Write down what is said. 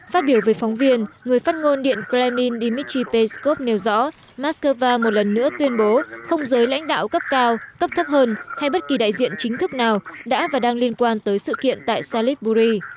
phát biểu về phóng viên người phát ngôn điện kremlin dmitry peskov nêu rõ mắc cơ va một lần nữa tuyên bố không giới lãnh đạo cấp cao cấp thấp hơn hay bất kỳ đại diện chính thức nào đã và đang liên quan tới sự kiện tại salihburi